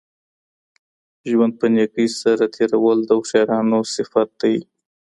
ژوند په نېکۍ سره تېرول د هوښیارانو صفت دی.